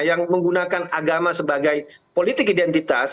yang menggunakan agama sebagai politik identitas